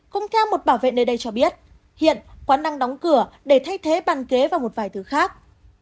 cùng theo một bảo vệ nơi đây cho biết hiện quán đang đóng cửa để thay thế bàn kế và một vài thứ khác